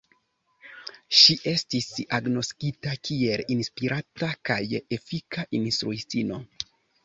Ŝi estis agnoskita kiel inspirata kaj efika instruistino.